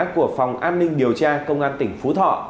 của phòng an ninh điều tra công an tỉnh phú thọ